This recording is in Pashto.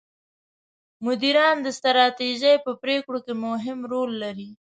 مدیران د ستراتیژۍ په پرېکړو کې مهم رول لري.